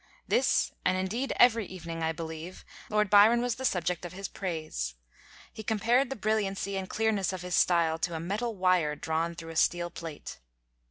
"This, and indeed every evening, I believe, Lord Byron was the subject of his praise. He compared the brilliancy and clearness of his style to a metal wire drawn through a steel plate."